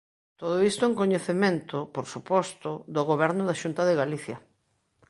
Todo iso en coñecemento, por suposto, do Goberno da Xunta de Galicia.